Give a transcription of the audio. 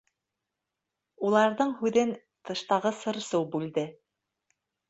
Уларҙың һүҙен тыштағы сыр-сыу бүлде.